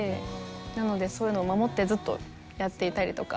なのでそういうのを守ってずっとやっていたりとか。